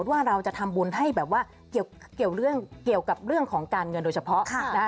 ถ้าเราจะทำบุญให้แบบว่าเกี่ยวกับเรื่องของการเงินโดยเฉพาะ